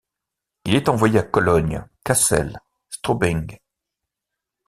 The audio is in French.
Il est envoyé à Cologne, Kassel, Straubing.